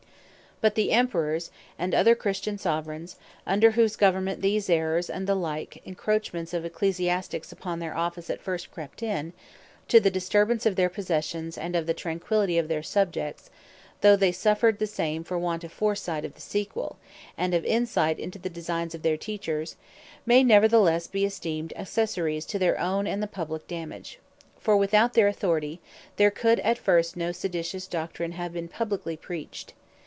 But the Emperours, and other Christian Soveraigns, under whose Government these Errours, and the like encroachments of Ecclesiastiques upon their Office, at first crept in, to the disturbance of their possessions, and of the tranquillity of their Subjects, though they suffered the same for want of foresight of the Sequel, and of insight into the designs of their Teachers, may neverthelesse bee esteemed accessories to their own, and the Publique dammage; For without their Authority there could at first no seditious Doctrine have been publiquely preached.